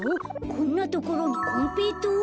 こんなところにこんぺいとう？